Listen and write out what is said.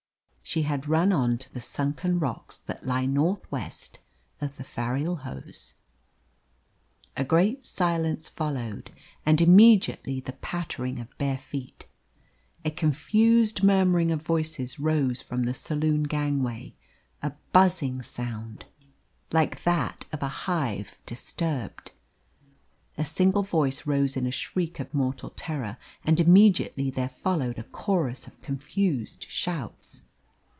She had run on to the sunken rocks that lie north west of the Farilhoes. A great silence followed and immediately the pattering of bare feet. A confused murmuring of voices rose from the saloon gangway a buzzing sound, like that of a hive disturbed. A single voice rose in a shriek of mortal terror, and immediately there followed a chorus of confused shouts.